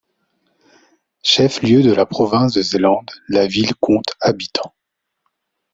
Chef-lieu de la province de Zélande, la ville compte habitants.